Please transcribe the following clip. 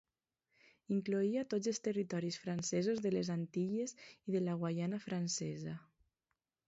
Incloïa tots els territoris francesos de les Antilles i de la Guaiana Francesa.